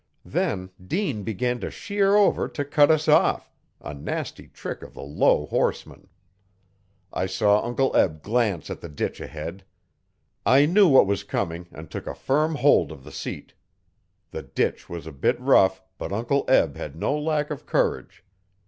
Then Dean began to shear over to cut us off a nasty trick of the low horseman. I saw Uncle Eb glance at the ditch ahead. I knew what was coming and took a firm hold of the seat. The ditch was a bit rough, but Uncle Eb had no lack of courage.